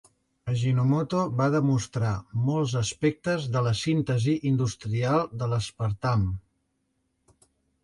Ajinomoto va demostrar molts aspectes de la síntesi industrial de l'aspartam.